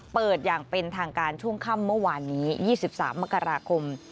อย่างเป็นทางการช่วงค่ำเมื่อวานนี้๒๓มกราคม